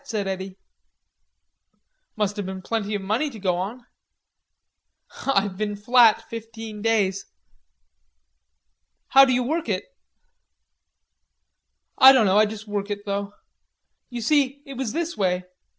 said Eddy. "Must have had plenty of money to go on." "I've been flat fifteen days." "How d'you work it?" "I dunno. I juss work it though.... Ye see, it was this way.